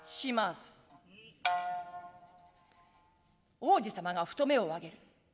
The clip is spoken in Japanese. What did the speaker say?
王子様がふと目をあげる。